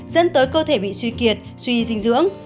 dẫn tới cơ thể bị suy kiệt suy dinh dưỡng